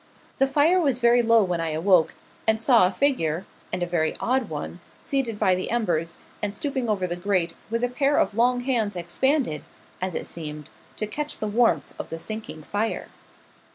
The fire was very low when I awoke, and saw a figure and a very odd one seated by the embers, and stooping over the grate, with a pair of long hands expanded, as it seemed, to catch the warmth of the sinking fire.